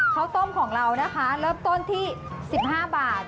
ข้าวต้มของเรานะคะเริ่มต้นที่๑๕บาท